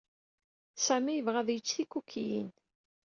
Sami yebɣa ad yečč tikukiyin.